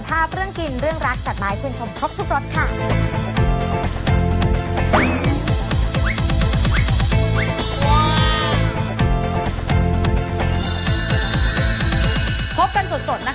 อาติโซลโซลเย่อาติโซลโซลเย่